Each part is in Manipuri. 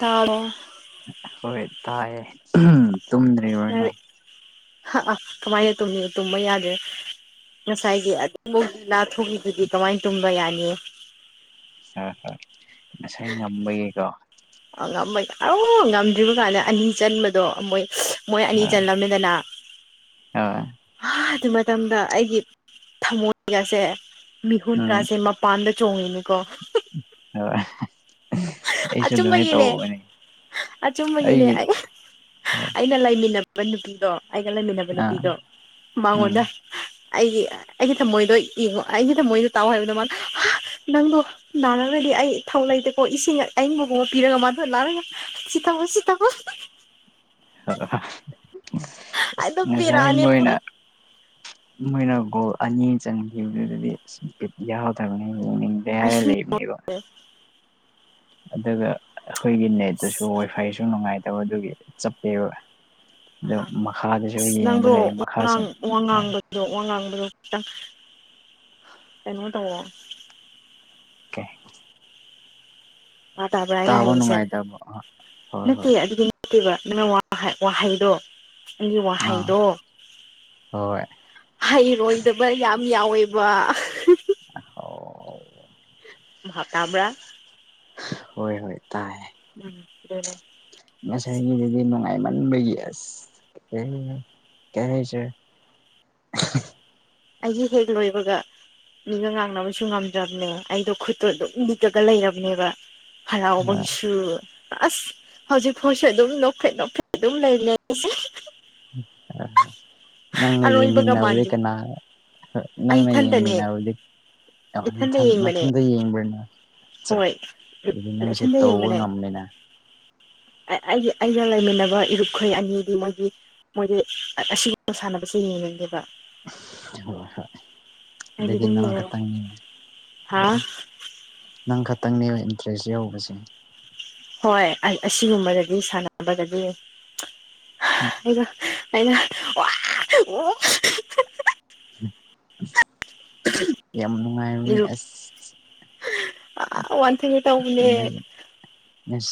ꯇꯥꯔꯣ ꯍꯣꯏ ꯇꯥꯏꯌꯦ [unintelligible] ꯇꯨꯝꯗ꯭ꯔꯤꯕꯅꯦ [unintelligible] ꯀꯝꯃꯥꯏꯅ ꯇꯨꯝꯅꯤ ꯇꯨꯝꯕ ꯌꯥꯗꯦ ꯉꯁꯥꯏꯒꯤ [unintelligible] ꯀꯝꯃꯥꯏ ꯇꯨꯝꯕ ꯌꯥꯅꯤ ꯍꯣꯏ ꯍꯣꯏ ꯉꯁꯥꯏ ꯉꯝꯕꯒꯤꯀꯣ ꯑ ꯉꯝꯃꯣꯏ ꯑ ꯉꯝꯗ꯭ꯔꯤꯕ ꯀꯥꯟꯗ ꯑꯅꯤ ꯆꯟꯕꯗꯣ ꯃꯣꯏ ꯃꯣꯏ ꯑꯅꯤ ꯍꯣꯏ ꯆꯜꯂꯝꯃꯤꯗꯅ ꯍꯣꯏ [unintelligible] ꯑꯗꯨ ꯃꯇꯝꯗ ꯑꯩꯒꯤ ꯊꯃꯣꯏꯒꯁꯦ ꯎꯝ ꯃꯤꯍꯨꯟꯒꯥꯁꯦ ꯃꯄꯥꯟꯗ ꯆꯣꯡꯉꯤꯅꯤꯀꫭ [unintelligible] ꯑꯩꯁꯨ ꯑꯗꯨꯃꯥꯏꯅ ꯑꯆꯨꯝꯕꯒꯤꯅꯦ ꯇꯧꯕꯅꯦ ꯑꯆꯨꯝꯕꯒꯤꯅꯦ ꯑꯩꯒꯤ [unintelligible] ꯑꯩꯅ ꯂꯩꯃꯤꯟꯅꯕ ꯅꯨꯄꯤꯗꯣ ꯑꯩꯒ ꯂꯩꯃꯤꯟꯅꯕ ꯑꯥ ꯅꯨꯄꯤꯗꯣ ꯃꯉꯣꯟꯗ ꯎꯝ ꯑꯩꯒꯤ ꯑꯩꯒꯤ ꯊꯝꯃꯣꯏꯗꯣ ꯌꯦꯡꯉꫭ ꯑꯩꯒꯤ ꯊꯝꯃꯣꯏꯗꯣ ꯇꯥꯎ ꯍꯥꯏꯕꯗ ꯃꯥꯅ [unintelligible] ꯅꯪꯗꯣ ꯅꯥꯔꯒꯗꯤ ꯑꯩ ꯏꯊꯧ ꯂꯩꯇ ꯑꯣ ꯏꯁꯤꯡ ꯑꯏꯪꯕꯒꯨꯝꯕ ꯄꯤꯔꯒ ꯃꯥꯗꯨ ꯂꯥꯛꯔꯒ ꯁꯤ ꯊꯛꯑꫭ ꯁꯤ ꯊꯛꯑꫭ [unintelligible] [unintelligible] ꯑꯗꯨꯝ ꯉꯁꯥꯏ ꯕꯦꯔꯥꯅꯦ ꯃꯣꯏꯅ ꯄꯨꯔꯥ ꯃꯣꯏꯅ ꯒꯣꯜ ꯑꯅꯤ ꯆꯟꯈꯤꯕꯗꯨꯗꯗꯤ ꯑꯁ ꯕꯤꯠ ꯌꯥꯎꯗꯕꯅꯦꯕ ꯌꯦꯡꯅꯤꯡꯗ꯭ꯔꯦ ꯍꯥꯏꯔ ꯑꯩꯁꯨ ꯂꯩꯕꯅꯦꯕ ꯑꯗꯨꯒ ꯑꯩꯈꯣꯏꯒꯤ ꯅꯦꯠꯇꯁꯨ ꯋꯥꯏ ꯐꯥꯏꯁꯨ ꯅꯨꯡꯉꯥꯏꯇꯕ ꯑꯗꯨꯒꯤ ꯆꯞꯄꯦꯕ [inaudible] ꯑꯗꯨ ꯑꯥ ꯃꯈꯥꯗꯁꯨ ꯑꯁ ꯌꯦꯡꯕ ꯅꯪꯗꯣ ꯂꯩ ꯋꯥ ꯃꯈꯥꯁꯤꯡ ꯋꯥ ꯉꯥꯡꯕꯗꯨ ꯋꯥ ꯉꯥꯡꯕꯗꯨ ꯈꯤꯇꯪ ꯀꯩꯅꯣ ꯇꯩꯋꯣ ꯥꯀꯩ ꯚꯥꯄ ꯇꯥꯕ꯭ꯔꯥ ꯑꯩꯅ ꯍꯥꯏꯁꯦ ꯅꯨꯡꯉꯥꯏꯇꯕ ꯍꯣꯏ ꯅꯠꯇꯦ ꯍꯣꯏ ꯑꯗꯨꯒꯤ ꯈꯤꯕ ꯅꯪꯅ ꯋꯥꯍꯩꯗꯣ ꯑꯩꯒꯤ ꯑꯥ ꯋꯥꯍꯩꯗꯣ ꯍꯣꯏ ꯍꯩꯔꯣꯏꯗꯕ ꯌꯥꯝ ꯌꯥꯎꯋꯦꯕ ꯍꯤꯍꯤ ꯑꯥꯎ ꯚꯥꯞ ꯇꯕ꯭ꯔ ꯍꯣꯏ ꯍꯣꯏ ꯇꯥꯏ ꯎꯝ ꯑꯗꯨꯅꯦ ꯉꯁꯥꯏꯒꯤꯗꯨꯗꯤ ꯅꯨꯡꯉꯥꯏꯃꯟꯕꯒꯤ ꯑꯁ [unintelligible] ꯑꯩꯒꯤ ꯍꯦꯛ ꯂꯣꯏꯕꯒ ꯃꯤꯒ ꯉꯥꯡꯅꯕꯁꯨ ꯉꯝꯗ꯭ꯔꯕꯅꯦ ꯑꯩꯗꯣ ꯈꯨꯠꯇꯣ ꯑꯗꯨꯝ ꯂꯤꯛꯂꯒ ꯂꯩꯔꯕꯅꯦꯕ ꯍꯔꯥꯎꯕꯒꯤꯁꯨ ꯑꯁ ꯍꯧꯖꯤꯛꯐꯥꯎꯁꯨ ꯑꯗꯨꯝ ꯅꯣꯛꯐꯦꯠ ꯅꯣꯛꯐꯦꯠ ꯑꯗꯨꯝ ꯂꯩꯕꯅꯦ ꯑꯩꯁꯦ ꯑꯥ ꯅꯪ ꯑꯔꯣꯏꯕꯒ ꯌꯦꯃꯤꯟꯅꯕꯗꯤ ꯃꯥꯟꯗꯦ ꯀꯅꯥ ꯑꯩ ꯅꯪꯅ ꯏꯊꯟꯇꯅꯦ ꯌꯦꯡꯃꯤꯟꯕꯗꯤ ꯑꯣ ꯏꯊꯟꯇ ꯅꯊꯟ ꯌꯦꯡꯕꯅꯦ ꯃꯊꯟꯗ ꯌꯦꯡꯕ꯭ꯔꯥ ꯅꯪ ꯑꯠꯆꯥ ꯍꯣꯏ ꯑꯗꯨꯗꯤ ꯅꯪ ꯁꯤ ꯏꯊꯟꯇ ꯇꯧꯕ ꯌꯦꯡꯕꯅꯦ ꯉꯝꯃꯤꯅ ꯑꯩꯒꯤ ꯑꯩꯒ ꯂꯩꯃꯤꯟꯅꯕ ꯏꯔꯨꯞꯈꯣꯏ ꯑꯅꯤꯗꯤ ꯃꯣꯏꯒꯤ ꯃꯣꯏꯗꯤ ꯑꯁꯤꯒꯨꯝꯕ ꯁꯥꯟꯅꯕꯁꯤ ꯌꯦꯡꯉꯥ ꯒꯦꯕ ꯍꯣꯏ ꯍꯣꯏ ꯑꯩꯗꯤ ꯑꯗꯨꯒꯤ ꯑꯗꯨꯝ ꯅꯪ ꯌꯦꯡꯉ ꯈꯛ ꯇꯪꯅꯤꯅꯦ ꯍꯥ ꯅꯪ ꯈꯛꯇꯪꯅꯦ ꯏꯟꯇꯔꯦꯁ ꯌꯥꯎꯕꯁꯦ ꯍꯣꯏ ꯑꯁꯤꯒꯨꯝꯕꯗꯗꯤ ꯁꯥꯟꯅꯕꯗꯗꯤ ꯍꯥ ꯑꯩꯩꯅ ꯑꯩꯅ ꯋꯥ ꯋꯥ ꯋꯥ ꯍꯤꯍꯤꯍꯤ ꯌꯥꯝ ꯅꯨꯡꯉꯥꯏꯕꯅꯦ ꯑꯁ ꯑꯥ ꯋꯥꯟꯊꯒꯦ ꯇꯧꯕꯅꯦ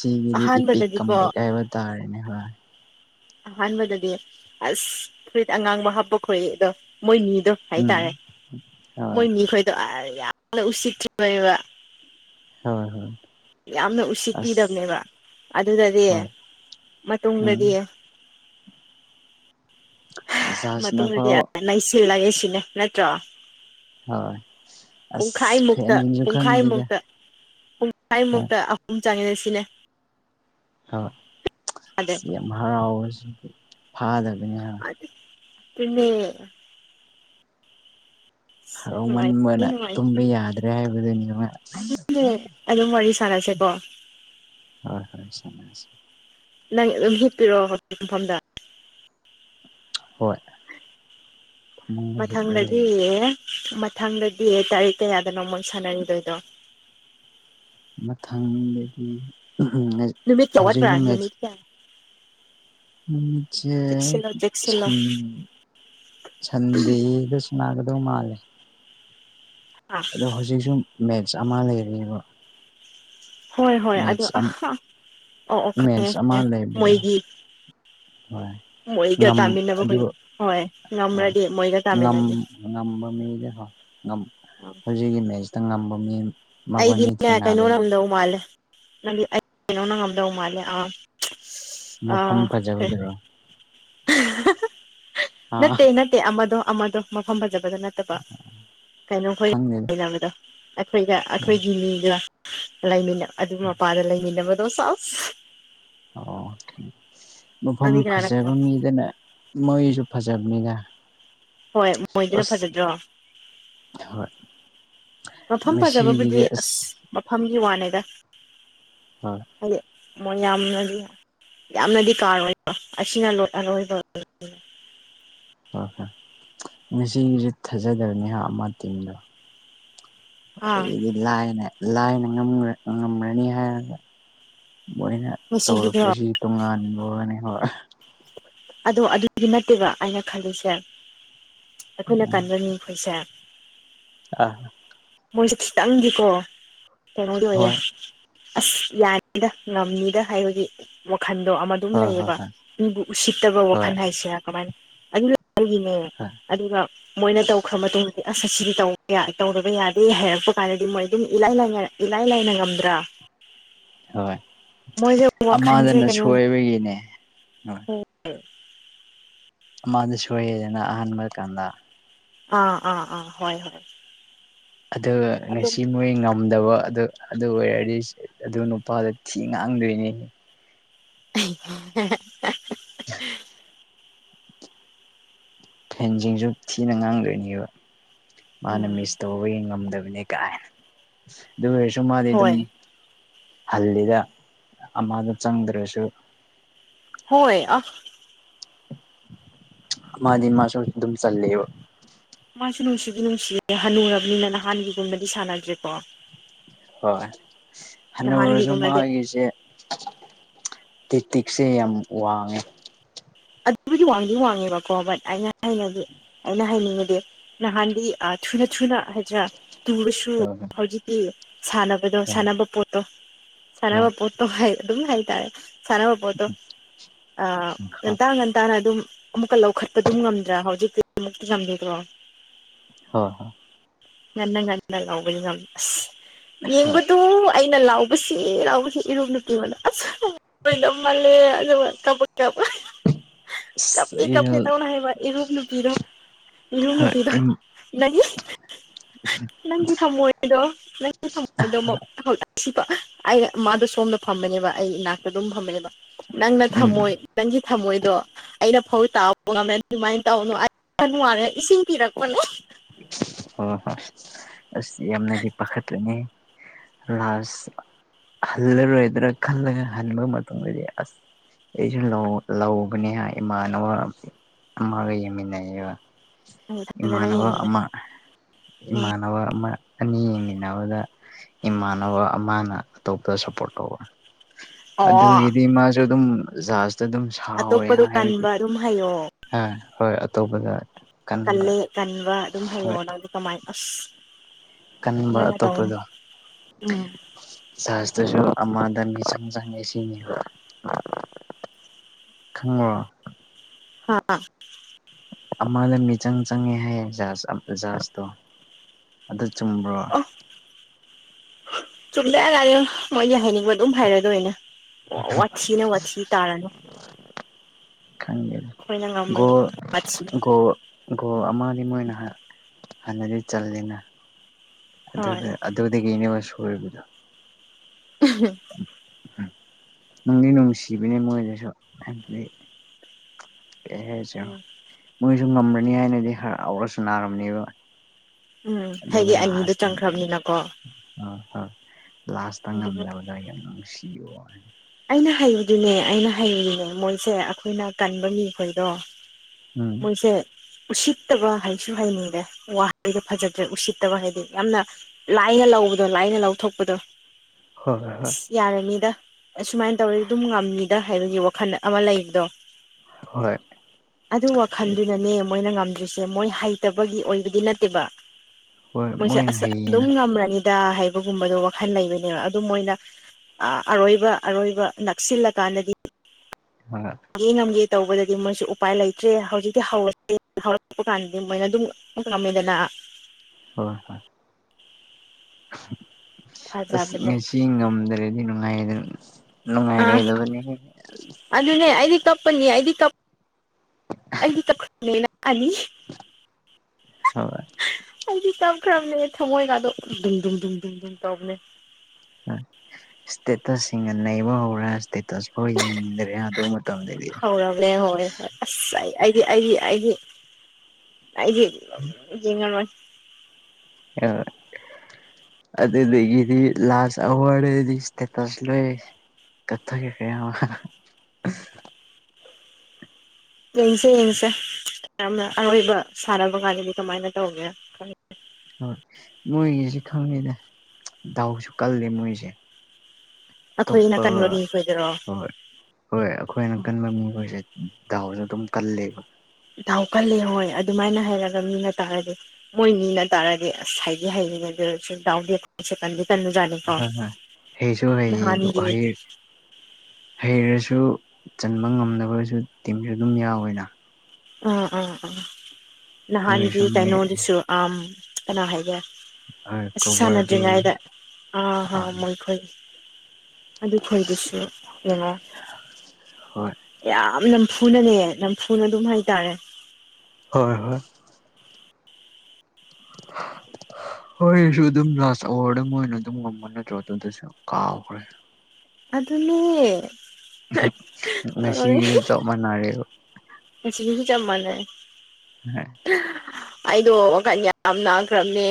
ꯁꯤꯒꯤꯗꯤ ꯏꯄꯤꯛ ꯀꯝꯕꯩ ꯑꯍꯥꯟꯕꯗꯗꯤꯀꯣ ꯀꯥꯏꯕ ꯇꯥꯔꯦꯅꯦ ꯍꯣꯏ ꯑꯍꯥꯟꯕꯗꯗꯤ ꯑꯁ ꯐꯨꯔꯤꯠ ꯑꯉꯥꯡꯕ ꯍꯥꯞꯄ ꯈꯣꯏꯗꯣ ꯃꯣꯏꯃꯤꯗꯣ ꯍꯥꯏ ꯇꯥꯔꯦ ꯎꯝ ꯍꯣꯏ ꯃꯣꯏ ꯃꯤ ꯈꯣꯏꯗꯣ ꯑꯥꯏ ꯌꯥꯝꯅ ꯎꯁꯤꯠꯇꯔꯤꯅꯦꯕ ꯍꯣꯢ ꯍꯣꯢ ꯌꯥꯝꯅ ꯎꯁꯤꯠꯄꯤꯗꯕꯅꯦꯕ ꯑꯗꯨꯗꯗꯤ ꯍꯣꯏ ꯎꯝ ꯃꯇꯨꯡꯗꯗꯤ ꯍꯥ ꯃꯇꯨꯡꯗꯗꯤ ꯖꯍꯥꯖꯅꯐꯥꯎ ꯅꯩꯁꯤꯜꯂꯒꯦ ꯁꯤꯅꯦ ꯅꯠꯇ꯭ꯔꯣ ꯍꯣꯏ ꯑꯁ ꯄꯨꯡꯈꯥꯏꯃꯨꯛꯇ ꯐꯦꯟꯁꯤꯡꯁꯨ ꯈꯪꯗꯦꯗ ꯄꯨꯡꯈꯥꯏꯃꯨꯛꯇ ꯈꯥꯏ ꯃꯨꯛꯇ ꯑꯍꯨꯝ ꯆꯪꯉꯦ ꯁꯤꯅꯦ ꯑꯗꯩ ꯍꯣꯏ ꯌꯥꯝ ꯍꯔꯥꯎꯌꯦ ꯐꯥꯗꯕꯅꯤ ꯍꯣꯏ ꯇꯨꯝꯅꯤꯡꯉꯦ ꯍꯔꯥꯎꯃꯟꯕꯅ ꯅꯨꯡꯉꯥꯏꯈꯤ ꯇꯨꯝꯕ ꯌꯥꯗ꯭ꯔꯦ ꯍꯥꯏꯕꯗꯨꯅꯤꯕ ꯆꯔꯁꯦ ꯀꯣ [unintelligible] ꯅꯪ ꯑꯗꯨꯝ ꯍꯤꯞꯄꯤꯔꯛꯣ ꯃꯐꯝꯗ ꯍꯣꯏ ꯐꯃꯨꯡꯗ ꯍꯤꯞꯂꯒ ꯃꯊꯪꯗꯗꯤ ꯂꯩ ꯃꯊꯪꯗꯗꯤ ꯇꯥꯔꯤꯛ ꯀꯌꯥꯗꯅꯣ ꯃꯣꯏ ꯁꯥꯟꯅꯔꯤꯗꯣꯏꯗꯣ ꯃꯊꯪꯗꯗꯤ ꯅꯨꯃꯤꯠ ꯀꯌꯥ ꯋꯥꯠꯄ꯭ꯔꯥ ꯍꯧꯖꯤꯛꯅ ꯃꯦꯠꯁ ꯅꯨꯃꯤꯠ ꯀꯌꯥ ꯅꯨꯃꯤꯠꯁꯦ ꯆꯦꯛꯁꯤꯜꯂꯣ ꯆꯦꯛꯁꯤꯜꯂꯣ ꯁꯟ ꯁꯟꯗꯦꯗ ꯁꯟꯅꯥꯒꯗꯧ ꯃꯥꯜꯂꯦ ꯑꯥ ꯑꯗꯣ ꯍꯧꯖꯤꯛꯁꯨ ꯃꯦꯠꯁ ꯑꯃ ꯂꯩꯔꯤꯕ ꯍꯣꯏ ꯍꯣꯏ ꯑꯗꯣ ꯃꯦꯠꯁ ꯑ ꯍꯥ ꯑꯣꯑꯣ ꯈꯪꯉꯦ ꯃꯦꯠꯁ ꯑꯃ ꯈꯪꯉꯦ ꯂꯩꯕꯗ ꯃꯣꯏꯒꯤ ꯍꯣꯏ ꯃꯣꯏꯒ ꯉꯝ ꯇꯥꯃꯤꯟꯅꯕ ꯑꯗꯨ ꯑꯩꯈꯣꯏ ꯍꯣꯏ ꯑ ꯉꯝꯃ꯭ꯔꯗꯤ ꯃꯣꯏꯒ ꯉꯝ ꯇꯥꯃꯤꯟꯅꯅꯤ ꯉꯝꯕ ꯃꯤꯅꯤ ꯀꯣ ꯉꯝ ꯍꯧꯖꯤꯛꯀꯤ ꯃꯦꯠꯁꯇ ꯉꯝꯕ ꯃꯤ ꯃꯕꯥꯅꯤ ꯑꯩꯗꯤꯅꯦ ꯀꯩꯅꯣ ꯅ ꯊꯦꯡꯅꯗꯣꯏꯅꯦꯕ ꯉꯝꯗꯧ ꯃꯥꯜꯂꯦ ꯅꯪꯗꯤ ꯑꯩ ꯀꯩꯅꯣ ꯅꯉꯝꯗꯧ ꯃꯥꯜꯂꯦ ꯑꯥ ꯃꯐꯝ ꯑꯥ ꯐꯖꯕꯗꯨꯔꯣ ꯑꯥ ꯅꯠꯇꯦ ꯅꯠꯇꯦ ꯑꯃꯗꯣ ꯑꯃꯗꯣ ꯃꯐꯝ ꯐꯖꯕ ꯅꯠꯇꯕ ꯀꯩꯅꯣ ꯈꯪꯗꯦꯗ ꯈꯣꯏꯒꯅꯕꯗꯣ ꯑꯩꯈꯣꯏꯒ ꯑꯩꯈꯣꯏꯒꯤ ꯃꯤꯒ ꯂꯩꯃꯤꯟꯅ ꯑꯗꯨ ꯃꯄꯥꯗ ꯂꯩꯃꯤꯟꯅꯕꯗꯣ ꯁꯥꯥꯎ ꯑꯣ ꯃꯐꯝ ꯅꯪꯗꯤ ꯀꯅꯥꯅ ꯐꯖꯕ ꯃꯤꯗꯅ ꯃꯣꯏꯁꯨ ꯐꯖ ꯖꯝꯅꯤꯅ ꯍꯣꯏ ꯃꯣꯏꯗꯨꯅ ꯐꯖꯗ꯭ꯔꯣ ꯍꯣꯏ ꯃꯐꯝ ꯐꯥꯖꯕꯕꯨꯗꯤ ꯑꯁ ꯃꯐꯝ ꯋꯥꯅꯦꯗ ꯍꯣꯏ ꯃꯌꯥꯝꯅꯗꯤ ꯌꯥꯝꯅꯗꯤ ꯀꯥꯔ ꯑꯣꯏꯕ ꯑꯁꯤꯅ ꯑꯣꯏꯕ ꯍꯣꯏ ꯍꯣꯏ ꯉꯁꯤꯒꯤꯁꯨ ꯊꯥꯖꯗꯕꯅꯤꯍꯥ ꯑꯃ ꯇꯤꯝꯗꯣ ꯑꯥ ꯑꯩꯗꯤ ꯂꯥꯏꯅ ꯂꯥꯏꯅ ꯉꯝ ꯉꯝꯈ꯭ꯔꯅꯤ ꯍꯥꯏꯔꯒ ꯃꯣꯏꯅ ꯉꯁꯤꯒꯤꯗꯣ ꯇꯧꯔꯛꯄꯁꯤ ꯇꯣꯉꯥꯟꯕꯋꯥꯅꯤ ꯍꯣꯏ ꯑꯗꯣ ꯑꯗꯨꯗꯤ ꯅꯠꯇꯦꯕ ꯑꯩꯅ ꯈꯜꯂꯤꯁꯦ ꯑꯩꯈꯣꯏꯅ ꯀꯟꯕꯃꯤꯈꯣꯏꯁꯦ ꯑ ꯃꯣꯏꯁꯦ ꯈꯤꯇꯪꯗꯤꯀꯣ ꯀꯩꯅꯣꯗꯤ ꯑꯣꯏꯌꯦ ꯍꯣꯏ ꯑꯁ ꯌꯥꯅꯤꯗ ꯉꯝꯅꯤꯗ ꯍꯥꯏꯕꯒꯤ ꯋꯥꯈꯟꯗꯣ ꯑꯃ ꯑꯗꯨꯝ ꯍꯣꯏ ꯍꯣꯏ ꯂꯩꯌꯦꯕ ꯍꯣꯏ ꯃꯤꯕꯨ ꯠꯇꯕ ꯍꯣꯏ ꯋꯥꯈꯜ ꯍꯥꯏꯁꯦ ꯀꯃꯥꯏꯅ ꯑꯗꯨ ꯑꯩꯒꯤꯅꯦ ꯍꯣꯏ ꯑꯗꯨꯒ ꯃꯣꯏꯅ ꯇꯧꯈ꯭ꯔ ꯃꯇꯨꯡꯗꯗꯤ ꯑ ꯑꯁꯤꯗꯤ ꯇꯧꯗꯕ ꯌꯥꯗꯦ ꯍꯥꯏꯔꯛꯄ ꯀꯥꯟꯗꯗꯤ ꯃꯣꯏ ꯑꯗꯨꯝ ꯏꯂꯥꯏ ꯂꯥꯏꯅ ꯏꯂꯥꯏ ꯂꯥꯏꯅ ꯉꯝꯗ꯭ꯔꯥ ꯍꯣꯏ ꯃꯣꯏꯁꯦ ꯋꯥꯈꯜꯁꯦ ꯑꯃꯗꯨꯅ ꯀꯩꯅꯣ ꯁꯣꯏꯕꯒꯤꯅꯦ ꯍꯣꯏ [unintelligible] ꯃꯥꯗꯣ ꯁꯣꯏꯔꯦꯗꯅ ꯑꯍꯥꯟꯕ ꯀꯥꯟꯗ ꯑꯥ ꯑꯥ ꯑꯥ ꯍꯣꯏ ꯍꯣꯏ ꯑꯗꯨ ꯑꯗꯨꯝ ꯉꯁꯤ ꯃꯣꯏ ꯉꯝꯗꯕ ꯑꯗꯨ ꯑꯗꯨ ꯑꯣꯏꯔꯗꯤ ꯑꯗꯨ ꯅꯨꯄꯥꯗ ꯊꯤ ꯉꯥꯡꯗꯣꯏꯅꯦ ꯍꯥꯍꯥꯍꯥ ꯐꯦꯟꯁꯤꯡꯁꯨ ꯊꯤꯅ ꯉꯥꯡꯗꯣꯏꯅꯦꯕ ꯃꯥꯅ ꯎꯝ ꯃꯤꯁ ꯇꯧꯕꯒꯤ ꯉꯝꯗꯕ ꯀꯥꯏꯅ ꯑꯗꯨ ꯑꯣꯏꯔꯁꯨ ꯃꯥꯗꯤ ꯑꯗꯨꯝ ꯍꯣꯏ ꯍꯜꯂꯤꯗ ꯑꯃꯗ ꯆꯪꯗ꯭ꯔꯁꯨ ꯍꯣꯏ ꯑ ꯑꯃꯗꯤ ꯃꯥꯁꯨ ꯑꯗꯨꯝ ꯆꯜ ꯂꯦꯕ ꯃꯥꯁꯨ ꯅꯨꯡꯁꯤꯗꯤ ꯅꯨꯡꯁꯤ ꯍꯟꯅꯨꯔꯕꯅꯤꯅ ꯅꯍꯥꯟꯒꯤꯒꯨꯝꯕꯗꯤ ꯁꯥꯟꯅꯗ꯭ꯔꯦꯀꯣ ꯍꯣꯏ ꯍꯅꯨꯔꯁꯨ ꯅꯍꯥꯟꯒꯤꯒꯨꯝꯕꯗꯤ ꯃꯥꯒꯤꯁꯦ ꯇꯤꯛ ꯇꯤꯛꯁꯦ ꯌꯥꯝ ꯋꯥꯡꯉꯦꯕ ꯑꯗꯨꯕꯨꯗꯤ ꯋꯥꯡꯗꯤ ꯋꯥꯡꯉꯦꯕꯀꯣ ꯕꯠ ꯑꯩꯅ ꯍꯥꯏ ꯑꯩꯅ ꯍꯥꯏꯅꯤꯡꯕꯗꯤ ꯅꯍꯥꯟꯗꯤ ꯑꯥ ꯊꯨꯅ ꯊꯨꯅ ꯍꯥꯏꯗꯔꯥ ꯇꯨꯔꯁꯨ ꯍꯣꯏ ꯍꯧꯖꯤꯛꯇꯤ ꯁꯥꯟꯅꯕꯗꯣ ꯍꯣꯏ ꯁꯥꯟꯅꯕ ꯄꯣꯠꯇꯣ ꯁꯥꯟꯅꯕ ꯍꯣꯏ ꯄꯣꯠꯇꯣ ꯍꯥꯏ ꯑꯗꯨꯝ ꯍꯥꯏꯇꯥꯔꯦ [unintelligible] ꯉꯟꯇꯥ ꯉꯟꯇꯥꯅ ꯑꯗꯨꯝ ꯑꯃꯨꯛꯀ ꯂꯧꯈꯠꯄ ꯑꯗꯨꯝ ꯉꯝꯗ꯭ꯔꯥ ꯍꯧꯖꯤꯛꯇꯤ ꯑꯃꯨꯛ ꯉꯝꯗ꯭ꯔꯦꯀꯣ ꯍꯣ ꯍꯣ ꯉꯟꯅ ꯉꯟꯅ ꯂꯥꯎꯕꯗꯤ ꯉꯝ ꯑꯁ ꯌꯦꯡꯕꯗꯨ ꯑꯩꯅ ꯂꯥꯎ [unintelligible] [unintelligible] [unintelligible] [unintelligible] ꯑꯁ ꯑꯩꯁꯨ ꯍꯣꯏ ꯎꯝ ꯁꯤꯄ ꯑꯩꯅ ꯃꯥꯗꯣ ꯁꯣꯝꯗ ꯐꯝꯕꯅꯦꯕ ꯑꯩ ꯏꯅꯥꯛꯇ ꯑꯗꯨꯝ ꯐꯝꯕꯅꯦꯕ ꯅꯪꯅ ꯊꯝꯃꯣꯏ ꯅꯪꯒꯤ [unintelligible] ꯍꯣꯏ ꯍꯣꯏ ꯑꯁ ꯌꯥꯝꯅꯗꯤ ꯄꯥꯈꯠꯄꯅꯦ ꯂꯥꯁ ꯈꯜꯂꯂꯣꯏꯗ꯭ꯔꯥ ꯈꯜꯂꯒ ꯍꯜꯕ ꯃꯇꯝ ꯑꯣꯏꯔꯦ ꯑꯁ ꯑꯩꯁꯨ ꯂꯧꯎ ꯂꯧꯕꯅꯦ ꯍꯥꯏ ꯏꯃꯥꯟꯅꯕ ꯑꯃꯒ ꯌꯦꯡꯃꯤꯟꯅꯩꯌꯦꯕ [unintelligible] ꯑꯥ ꯎꯝ ꯏꯃꯥꯟꯅꯕ ꯑꯃ ꯑꯅꯤ ꯌꯦꯡꯃꯤꯟꯅꯕꯗ ꯏꯃꯥꯟꯅꯕ ꯑꯃꯅ ꯑꯇꯣꯞꯄ ꯁꯞ ꯄꯔꯣꯠ ꯇꯧꯕ ꯑꯣ ꯑꯗꯨꯒꯤꯗꯤ ꯃꯥꯁꯨ ꯑꯗꯨꯝ ꯖꯥꯁ ꯇꯗꯨꯝ ꯁꯥꯎꯋꯦ ꯑꯇꯣꯞꯄꯗꯣ ꯍꯥꯏꯕꯗꯤ ꯀꯟꯕ ꯑꯗꯨꯝ ꯍꯩꯌꯣ ꯍꯥ ꯍꯣꯏ ꯑꯇꯣꯞꯄꯗ ꯀꯟꯕ ꯀꯜꯂꯦ ꯀꯟꯕ ꯑꯗꯨꯝ ꯍꯣꯏ ꯍꯩꯌꯣꯅ ꯑꯗꯨ ꯀꯃꯥꯏꯅ ꯑꯁ ꯀꯟꯕ ꯑꯗꯨꯃꯥꯏꯅ ꯇꯧꯅꯨ ꯑꯇꯣꯞꯄꯗꯣ ꯎꯝ ꯖꯁꯇꯨꯁꯨ [unintelligible] ꯈꯪꯉꯔꯣ ꯍꯥ ꯑꯃꯗ ꯃꯤꯆꯪ ꯆꯪꯉꯦ ꯍꯥꯏꯌꯦ ꯖꯍꯥꯖ ꯖꯍꯥꯖꯇꯣ ꯑꯗꯨ ꯆꯨꯝꯕ꯭ꯔꯣ [unintelligible] ꯃꯣꯏ ꯑꯗꯨꯝ ꯍꯥꯏꯔꯗꯣꯏꯅꯦ ꯑꯣ ꯋꯥꯊꯤꯅꯦ ꯋꯥꯊꯤ ꯇꯥꯔꯅꯨ ꯈꯪꯗꯦꯅꯤ ꯑꯩꯈꯣꯏꯅ ꯒꯣꯜ ꯉꯝꯕꯒꯤꯅꯦ ꯋꯥꯊꯤ ꯒꯣ ꯒꯣꯜ ꯑꯃꯥꯗꯤ ꯃꯣꯏꯅ ꯍꯥ ꯍꯟꯅꯗꯤ ꯆꯜꯂꯦꯅ ꯍꯣꯏ ꯑꯗꯨꯗ ꯑꯗꯨꯗꯒꯤꯅꯦꯕ ꯁꯣꯏꯕꯗꯣ [unintelligible] ꯅꯨꯡꯗꯤ ꯅꯨꯡꯁꯤꯕꯅꯦ ꯃꯣꯏꯅꯁꯨ ꯍꯥꯏꯕꯗꯤ ꯎꯝ ꯀꯩꯍꯥꯏꯁꯤꯔꯣ ꯃꯣꯏꯁꯨ ꯉꯝꯃꯅꯤ ꯍꯥꯏꯅꯗꯤ ꯍꯔꯥꯎꯔ ꯁꯅꯥꯔꯝꯅꯤꯕ ꯎꯝ ꯍꯥꯏꯗꯤ ꯑꯅꯤꯗꯣ ꯆꯪꯈ꯭ꯔꯕꯅꯤꯅꯀꯣ ꯑꯥ ꯍꯣꯏ ꯂꯥꯁꯇ ꯑꯗꯨꯕꯨ ꯉꯝꯗꯕꯗꯣ ꯑꯦ ꯌꯥꯝ ꯅꯨꯡꯁꯤꯋꯥꯅꯤ ꯑꯩꯅ ꯍꯩꯕꯗꯨꯅꯦ ꯑꯩꯅ ꯍꯩꯔꯨꯔꯤꯅꯦ ꯃꯣꯏꯁꯦ ꯑꯩꯈꯣꯏꯅ ꯀꯟꯕ ꯃꯤꯈꯣꯏꯗꯣ ꯎꯝ ꯃꯣꯏꯁꯦ ꯎꯁꯤꯠꯇꯕ ꯍꯥꯏꯁꯨ ꯍꯥꯏꯅꯤꯡꯗꯦ ꯋꯥꯍꯩꯗ ꯐꯖꯗ꯭ꯔꯦ ꯎꯁꯤꯠꯇꯕ ꯍꯥꯏꯗꯤ ꯌꯥꯝꯅ ꯂꯥꯏꯅ ꯂꯧ ꯇꯨꯗꯣ ꯂꯥꯏꯅ ꯂꯧꯊꯣꯛꯄꯗꯣ ꯍꯣꯏ ꯍꯣꯏ ꯑꯁ ꯌꯥꯔꯅꯤꯗ ꯑꯁꯨꯃꯥꯏꯟ ꯇꯧꯔꯗꯤ ꯑꯗꯨꯝ ꯉꯝꯅꯤꯗ ꯍꯥꯏꯕꯒꯤ ꯋꯥꯈꯜ ꯑꯃ ꯂꯩꯕꯗꯣ ꯍꯣꯏ ꯑꯗꯨ ꯋꯥꯈꯜꯗꯨꯅꯅꯦ ꯃꯣꯏꯅ ꯉꯝꯗ꯭ꯔꯤ ꯁꯦ ꯃꯣꯏ ꯍꯩꯇꯕꯒꯤ ꯑꯣꯏꯕꯗꯤ ꯅꯠꯇꯦꯕ ꯍꯣꯏ ꯃꯣꯏꯁꯦ ꯃꯣꯏꯅ ꯑꯁ ꯑꯗꯨꯝ ꯍꯩꯌꯦꯅ ꯉꯝꯔꯅꯤ ꯗꯥ ꯍꯥꯏꯕꯒꯨꯝꯕꯗꯣ ꯋꯥꯈꯜ ꯂꯩꯕꯅꯦꯕ ꯑꯗꯨ ꯃꯣꯏꯅ ꯑꯥ ꯑꯔꯣꯏꯕ ꯑꯔꯣꯏꯕ ꯅꯛꯁꯤꯜꯂꯀꯥꯟꯗꯗꯤ ꯍꯣꯏ [unintelligible] ꯇꯧꯕꯗꯗꯤ ꯃꯣꯏꯁꯨ ꯎꯄꯥꯏ ꯂꯩꯇ꯭ꯔꯦ ꯍꯧꯖꯤꯛꯇꯤ ꯍꯧꯔꯁꯦ ꯍꯧꯔꯛꯄ ꯀꯥꯟꯗꯗꯤ ꯃꯣꯏꯅ ꯑꯗꯨꯝ ꯉꯝꯃꯦꯗꯅ [inaudible] ꯍꯣꯏ ꯍꯣꯏ [inaudible] ꯑꯁ ꯐꯖꯕꯅꯦ ꯉꯁꯤ ꯉꯝꯗ꯭ꯔꯦꯗꯤ ꯅꯨꯡꯉꯥꯏꯗ ꯑꯥ ꯅꯨꯡꯉꯥꯏꯔꯣꯏꯗꯕꯅꯤ ꯍꯦ ꯑꯁ ꯑꯗꯨꯅꯦ ꯑꯩꯗꯤ ꯀꯞꯄꯅꯤ ꯑꯩꯗꯤ ꯀꯞ [unintelligible] ꯑꯥ ꯍꯣꯏ ꯑꯩꯗꯤ ꯀꯞꯈ꯭ꯔꯕꯅꯦ ꯊꯃꯣꯏꯒꯗꯣ ꯇꯨꯡ ꯇꯨꯡ ꯇꯧꯕꯅꯦ ꯏꯁꯇꯦꯇꯁꯁꯤꯡꯅ ꯅꯩꯕ ꯍꯧꯔꯦ ꯏꯁꯇꯦꯇꯁ ꯐꯥꯎ ꯌꯦꯡꯅꯤꯡꯗ꯭ꯔꯦ ꯑꯗꯨ ꯃꯇꯝꯗꯗꯤ ꯍꯧꯔꯕꯅꯦ ꯍꯣꯏ ꯍꯣꯏ ꯑꯁ ꯑꯩ ꯑꯩꯗꯤ ꯑꯩꯗꯤ ꯑꯩꯗꯤ ꯑꯩꯗꯤ ꯌꯦꯡꯉꯔꯣ ꯑꯣꯏ ꯑꯗꯨꯗꯒꯤꯗꯤ ꯂꯥꯁ ꯑꯋꯔꯗꯗꯤ ꯏꯁꯇꯦꯇꯁ ꯂꯣꯏ ꯀꯛꯊꯠꯈꯔꯦ ꯍꯥꯏ ꯑꯃ ꯌꯦꯡꯁꯤ ꯌꯦꯡꯁꯦ ꯌꯥꯝꯅ ꯑꯔꯣꯏꯕ ꯁꯥꯟꯅꯕ ꯀꯥꯟꯗꯗꯤ ꯀꯃꯥꯏꯅ ꯇꯧꯒꯦꯔ ꯈꯪꯗꯦ ꯍꯣꯏ ꯃꯣꯏꯒꯤꯁꯤ ꯈꯪꯗꯦꯗ ꯗꯥꯎꯁꯨ ꯀꯜꯂꯦ ꯃꯣꯏꯁꯦ ꯑꯩꯈꯣꯏꯅ ꯑꯇꯣꯞꯄ ꯀꯟꯕ ꯃꯤꯈꯣꯏꯗꯔꯣ ꯍꯣꯏ ꯍꯣꯏ ꯑꯩꯈꯣꯏꯅ ꯀꯟꯕ ꯃꯤꯍꯣꯏꯁꯦ ꯗꯥꯥꯎꯁꯨ ꯑꯗꯨꯝ ꯀꯜꯂꯦꯕ ꯗꯥꯥꯎ ꯀꯜꯂꯦ ꯍꯣꯏ ꯑꯗꯨꯃꯥꯏꯅ ꯍꯥꯏꯔꯒ ꯃꯤꯅ ꯇꯥꯔꯗꯤ ꯃꯣꯏ ꯃꯤꯅ ꯇꯥꯔꯗꯤ ꯑꯁ ꯍꯥꯏꯗꯤ ꯍꯥꯏꯔꯦꯍꯦ [unintelligible] ꯍꯣꯏ ꯍꯣꯏ ꯍꯩꯁꯨ ꯍꯩꯌꯦ ꯑꯗꯨ ꯅꯍꯥꯟꯒꯤ ꯍꯩ ꯍꯩꯔꯁꯨ ꯆꯟꯕ ꯉꯝꯗꯕꯁꯨ ꯇꯤꯝꯁꯨ ꯑꯗꯨꯝ ꯌꯥꯎꯋꯦꯗ ꯑꯝ ꯑꯝ ꯎꯝ ꯑꯗꯨ ꯅꯍꯥꯟꯒꯤ ꯑꯣꯏꯔꯁꯨ ꯃꯣꯏ ꯀꯩꯅꯣꯗꯨꯁꯨ ꯑꯝ ꯀꯅꯥ ꯍꯥꯏꯒꯦꯔ ꯑꯁ ꯀꯣꯕꯔꯗꯤ ꯁꯥꯟꯅꯗ꯭ꯔꯤꯉꯥꯏꯗ ꯑꯥ ꯑꯥ ꯃꯣꯏꯈꯣꯏ ꯑꯗꯨ ꯈꯣꯏꯗꯨꯁꯨ ꯌꯦꯡꯉꯣ ꯍꯣꯏ ꯌꯥꯝ ꯌꯥꯝ ꯅꯝꯐꯨꯅꯅꯦ ꯅꯝꯐꯨꯅ ꯑꯗꯨꯝ ꯍꯥꯏꯇꯥꯔꯦ ꯍꯣꯏ ꯍꯣꯏ [inaudible] ꯍꯣꯏ ꯑꯗꯨꯁꯨ ꯑꯗꯨꯝ ꯂꯥꯁ ꯑꯥꯋꯥꯔꯗ ꯃꯣꯏꯅ ꯑꯗꯨꯝ ꯉꯝꯕ ꯅꯠꯇ꯭ꯔꯣ ꯑꯗꯨꯗꯁꯨ ꯀꯥꯎꯈ꯭ꯔꯦ ꯑꯗꯨꯅꯦ ꯑꯍꯤ ꯉꯁꯤꯒꯤꯁꯨ ꯆꯞ ꯃꯥꯟꯅꯔꯦ ꯑꯗꯨ [unintelligible] ꯑꯩꯗꯣ ꯋꯥꯈꯟ ꯌꯥꯝ ꯅꯥꯈ꯭ꯔꯕꯅꯦ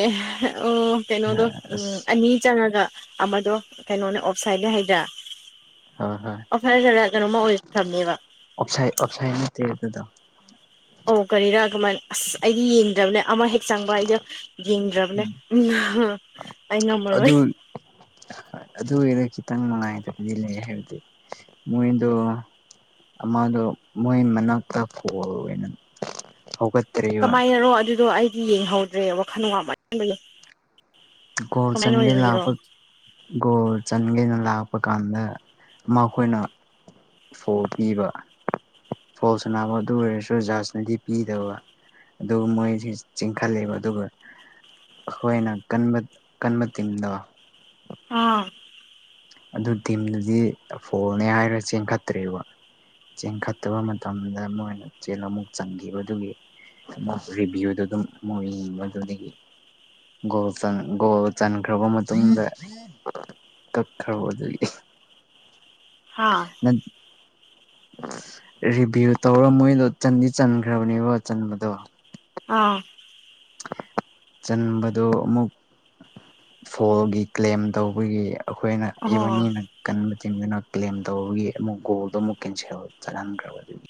ꯎꯝ ꯀꯩꯅꯣꯗꯣ ꯎꯝ ꯑꯁ ꯑꯅꯤ ꯆꯪꯉꯒ ꯑꯃꯗꯣ ꯀꯩꯅꯣꯅꯦ ꯑꯣꯞ ꯁꯥꯏꯠꯅꯦ ꯍꯥꯏꯗ꯭ꯔ ꯍꯣꯏ ꯍꯣꯏ ꯑꯣꯞꯁꯥꯏ [unintelligible] ꯑꯣꯞꯁꯥꯏꯠ ꯅꯠꯇꯦ ꯑꯗꯨꯗꯣ ꯑꯣ ꯀꯔꯤꯔꯥ ꯀꯃꯥꯏꯅ ꯑꯁ ꯑꯩꯗꯤ ꯌꯦꯡꯗ꯭ꯔꯕꯅꯦ ꯑꯃ ꯍꯦꯛ ꯆꯪꯕ ꯑꯩꯗꯣ ꯌꯦꯡꯗ꯭ꯔꯕꯅꯦ ꯎꯝ ꯑꯩ ꯉꯝꯃꯔꯣꯏ ꯑꯗꯨ [inaudible] ꯑꯗꯨꯒꯤꯗ ꯈꯤꯇꯪ ꯅꯨꯉꯥꯏꯇꯕꯗꯤꯂꯩꯌꯦ ꯍꯥꯏꯕꯗꯤ ꯃꯣꯏꯗꯣ ꯑꯃꯗꯣ ꯃꯣꯏ ꯃꯅꯥꯛꯇꯅ ꯍꯧꯒꯠ ꯀꯃꯥꯏꯅꯔꯣ ꯑꯗꯨꯗꯣ ꯑꯩꯗꯤ ꯌꯦꯡꯍꯧꯗ꯭ꯔꯦꯕ ꯋꯥꯈꯜ ꯋꯥꯃꯟꯕꯒꯤ ꯒꯣꯜ ꯀꯃꯥꯏꯅ ꯆꯪꯒꯦ ꯑꯣꯏꯕꯒꯤꯔꯣ ꯂꯛꯄ ꯒꯣꯜ ꯆꯟꯒꯦꯅ ꯂꯥꯛꯄ ꯀꯥꯟꯗ ꯃꯈꯣꯏꯅ ꯐꯣꯜ ꯄꯤꯕ ꯐꯣꯜꯁ ꯁꯟꯅꯥꯕ ꯑꯗꯨ ꯑꯣꯏꯔꯁꯨ ꯖꯍꯥꯖꯅꯗꯤ ꯄꯤꯗꯕ ꯑꯗꯨꯒ ꯃꯣꯏꯁꯤ ꯆꯤꯡꯈꯠꯂꯦꯕ ꯑꯗꯨꯒ ꯑꯈꯣꯏꯅ ꯀꯟꯕ ꯀꯟꯕ ꯇꯤꯃꯗꯣ ꯑꯥ ꯑꯗꯨ ꯇꯤꯝꯗꯨꯗꯤ ꯐꯣꯜꯅꯦ ꯍꯥꯏꯔ ꯆꯦꯟꯈꯠꯇ꯭ꯔꯦꯕ ꯆꯦꯡ ꯈꯠꯇꯕ ꯃꯇꯝꯗ ꯃꯣꯏꯅ ꯆꯦꯜꯂ ꯑꯃꯨꯛ ꯆꯪꯈꯤꯕꯗꯨꯒꯤ ꯃꯨꯛ ꯔꯤꯚꯤꯌꯨꯗ ꯑꯗꯨꯝ ꯃꯣꯏ ꯑꯗꯨꯗꯒꯤ ꯒꯣꯜ ꯆꯟ ꯒꯣꯜ ꯆꯟꯈ꯭ꯔꯕ ꯃꯇꯨꯡꯗ ꯀꯛ ꯈꯔꯧꯑꯗꯨꯒꯤ ꯍꯥꯥ ꯔꯤꯚꯤꯌꯨ ꯇꯧꯔ ꯃꯣꯏꯗꯣ ꯆꯟꯗꯤ ꯆꯟꯈ꯭ꯔꯕꯅꯦꯕ ꯆꯟꯕꯗꯣ ꯑꯥ ꯆꯟꯕꯗꯣ ꯑꯃꯨꯛ ꯐꯣꯜꯒꯤ ꯀ꯭ꯂꯦꯝ ꯇꯧꯕꯒꯤ ꯑꯩꯈꯣꯏꯅ ꯑꯣ ꯏꯕꯅꯤꯅ ꯀꯟꯕ ꯆꯤꯡꯗꯨꯅ ꯀ꯭ꯂꯦꯝ ꯇꯧꯕꯒꯤ ꯑꯃꯨꯛ ꯒꯣꯜꯗꯣ ꯑꯃꯨꯛ ꯀꯦꯟꯁꯦꯜ ꯆꯠꯍꯟꯈ꯭ꯔꯕ ꯑꯗꯨꯒꯤ